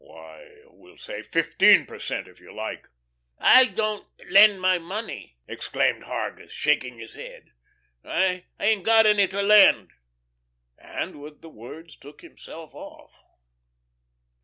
Why, we'll say fifteen per cent., if you like." "I don't lend my money," exclaimed Hargus, shaking his head. "I ain't got any to lend," and with the words took himself off.